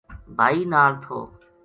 بھائی نال تھو۔